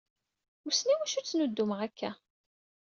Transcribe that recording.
Wissen iwacu ttnuddumeɣ akka.